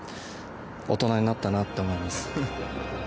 大人になったなって思います。